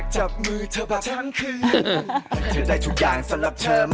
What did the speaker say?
คลิปนี้ค่ะถามว่าใครสนุกสุด